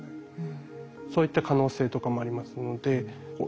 そういった可能性とかもありますのでさあ